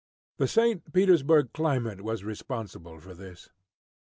The St. Petersburg climate was responsible for this.